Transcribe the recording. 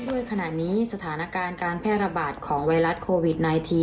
ด้วยขณะนี้สถานการณ์การแพร่ระบาดของไวรัสโควิด๑๙